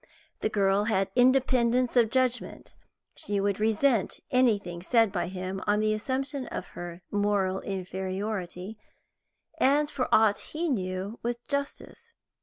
The girl had independence of judgment; she would resent anything said by him on the assumption of her moral inferiority, and, for aught he knew, with justice.